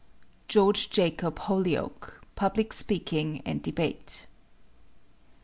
GEORGE JACOB HOLYOAKE, Public Speaking and Debate.